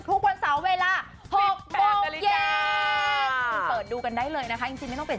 ทุกวันเสาร์เวลา๖โมงเย็น